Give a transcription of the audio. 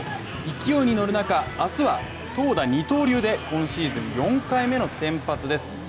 勢いに乗る中、明日は投打二刀流で今シーズン４回目の先発です。